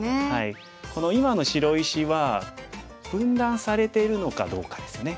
この今の白石は分断されてるのかどうかですね。